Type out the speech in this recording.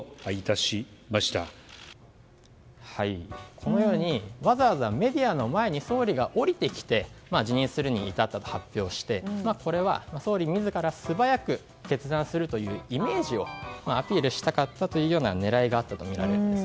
このようにわざわざメディアの前に総理が下りてきて辞任するに至ったと発表してこれは総理自ら素早く決断するというイメージをアピールしたかったという狙いがあったとみられます。